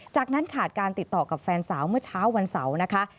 จากนั้นขาดการติดต่อกับแฟนสาวเมื่อเช้าวันเสาร์นะคะ